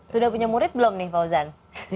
sudah punya murid belum nih fauzan